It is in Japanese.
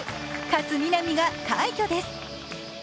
勝みなみが快挙です。